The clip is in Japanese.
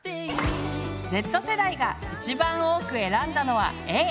Ｚ世代が一番多く選んだのはＡ。